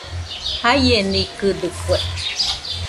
Jaienikɨdɨkue